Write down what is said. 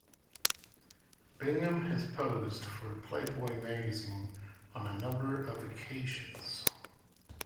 Bingham has posed for "Playboy Magazine" on a number of occasions.